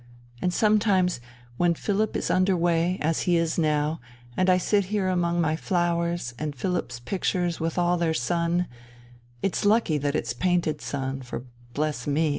And sometimes, when Philipp is under way, as he is now, and I sit here among my flowers and Philipp's pictures with all their sun it's lucky that it's painted sun, for bless me!